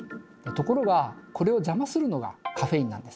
ところがこれを邪魔するのがカフェインなんです。